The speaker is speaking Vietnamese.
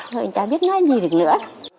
thôi cháu biết nói gì được nữa